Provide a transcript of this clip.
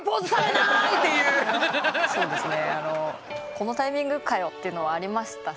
このタイミングかよ！というのはありましたし。